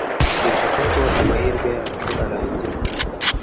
Sinshaka ko amahirwe yacu arangira.